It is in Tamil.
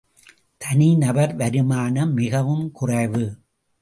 தனி நபர் வருமானம் மிகவும் குறைவு.